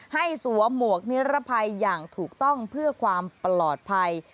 สวมหมวกนิรภัยอย่างถูกต้องเพื่อความปลอดภัย